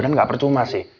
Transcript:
dan gak percuma sih